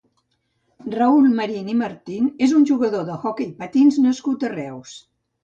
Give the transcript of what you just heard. Raül Marín i Martín és un jugador d'hoquei patins nascut a Reus.